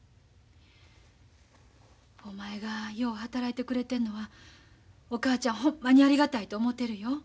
お前がよう働いてくれてんのはお母ちゃんほんまにありがたいと思てるよ。